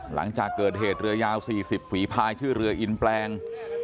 หลังจากเกิดเหตุเรือยาว๔๐ฝีภายชื่อเรืออินแปลง